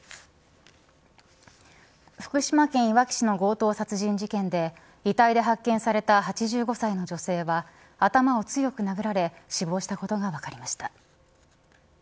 福島県いわき市の強盗殺人事件で遺体で発見された８５歳の女性は頭を強く殴られ死亡したことが分かりました。